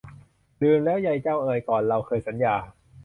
ลืมแล้วไยเจ้าเอย ก่อนเราเคยสัญญา